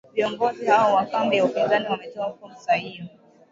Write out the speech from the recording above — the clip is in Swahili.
viongozi hao wa kambi ya upinzani wametoa fursa hiyo